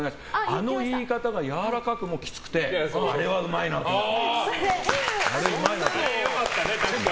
あの言い方がやわらかくもきつくてあれはうまいなと思った。